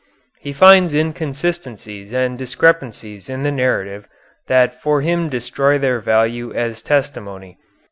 He finds inconsistencies and discrepancies in the narrative that for him destroy their value as testimony.